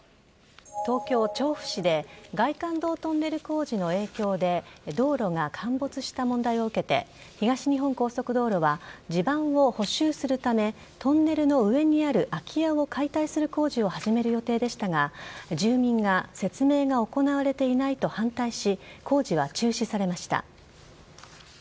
東京・調布市で外環道トンネル工事の影響で道路が陥没した問題を受けて東日本高速道路は地盤を補修するためトンネルの上にある空き家を解体する工事を始める予定でしたが住民が説明が行われていないと反対し工事は中止されました。